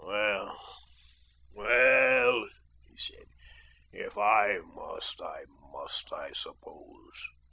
"Well, well," he said, "if I must, I must, I suppose.